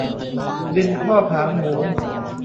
ดินพอกหางหมู